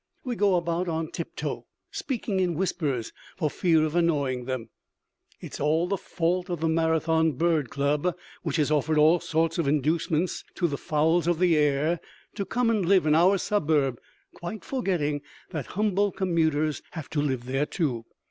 We go about on tiptoe, speaking in whispers, for fear of annoying them. It is all the fault of the Marathon Bird Club, which has offered all sorts of inducements to the fowls of the air to come and live in our suburb, quite forgetting that humble commuters have to live there, too.